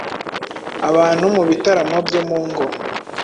abantu mu bitaramo byo mu ngo.